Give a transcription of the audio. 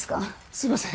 すいません